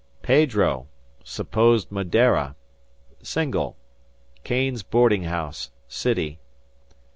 "Pedro, supposed Madeira, single, Keene's boardinghouse. City.